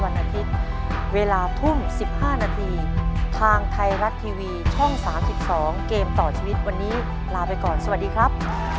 ๑๕นาทีทางไทยรัตทีวีช่อง๓๒เกมต่อชีวิตวันนี้ลาไปก่อนสวัสดีครับ